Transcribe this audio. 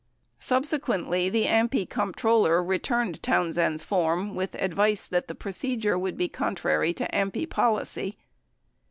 77 Sub sequently, the AMPI comptroller returned Townsend's form with advice that the procedure would be contrary to AMPI policy.